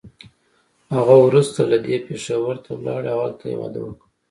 هغه وروسته له دې پېښور ته لاړه او هلته يې واده وکړ.